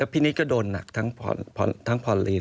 พี่นิดก็โดนหนักทั้งพอลีน